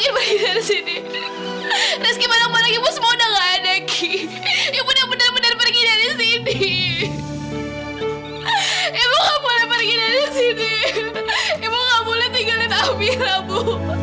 ibu aku bergigi aku gak boleh tinggalin ibu aku